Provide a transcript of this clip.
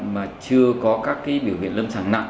mà chưa có các biểu hiện lâm sàng nặng